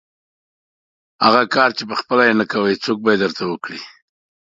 هغه کار چې خپله یې نه کوئ، څوک به یې درته وکړي؟